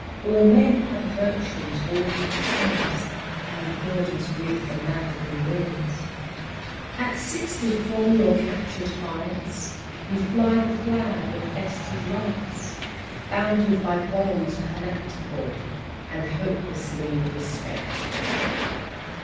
All men have virtues, all have sins, And God is with the man who wins. At sixty, from your captured heights You fly the flag of Vested Rights, Bounded by bonds collectable, And hopelessly respectable!